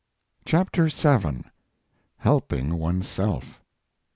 CHAPTER VII HELPING ONE'S SELF.